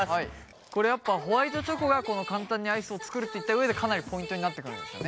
これやっぱホワイトチョコが簡単にアイスを作るといった上でかなりポイントになってくるんですよね